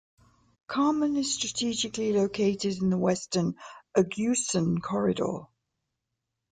Carmen is strategically located in the Western Agusan Corridor.